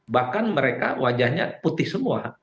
bahkan mereka wajahnya putih semua